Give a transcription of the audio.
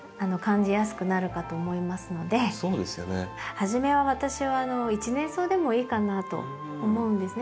初めは私は一年草でもいいかなと思うんですね。